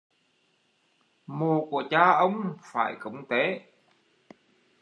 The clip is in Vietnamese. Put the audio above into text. Mồ của cha ông phải cúng tế